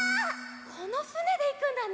このふねでいくんだね！